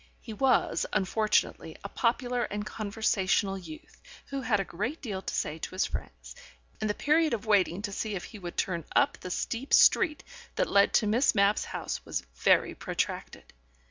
He was, unfortunately, a popular and a conversational youth, who had a great deal to say to his friends, and the period of waiting to see if he would turn up the steep street that led to Miss Mapp's house was very protracted.